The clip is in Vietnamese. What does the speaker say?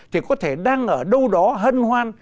thì có thể đang ở đâu đó hân hoan